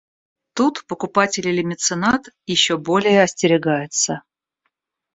Тут покупатель или меценат еще более остерегается.